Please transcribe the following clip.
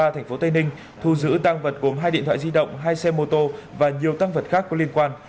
thành phố tây ninh thu giữ tăng vật gồm hai điện thoại di động hai xe mô tô và nhiều tăng vật khác có liên quan